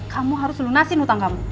kamu harus lunasin utang kamu